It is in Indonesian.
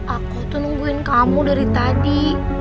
aku tuh nungguin kamu dari tadi